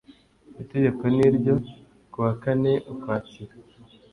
itegeko n ryo ku wa kane ukwakira